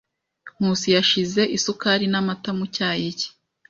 Nkusi yashyize isukari n'amata mu cyayi cye.